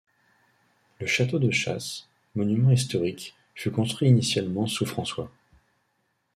Le château de chasse, monument historique, fut construit initialement sous François.